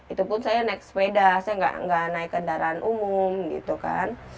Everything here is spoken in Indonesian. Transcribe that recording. itu pun saya naik sepeda saya nggak naik kendaraan umum gitu kan